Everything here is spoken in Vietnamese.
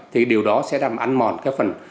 thì điều đó sẽ đang ăn mòn cái phần